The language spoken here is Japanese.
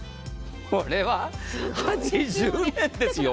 これは８０年ですよ。